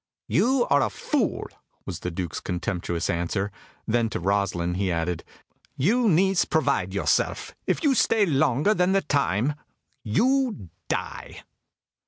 "You are a fool!" was the Duke's contemptuous answer. Then to Rosalind he added: "You, niece, provide yourself; if you stay longer than the time, you die."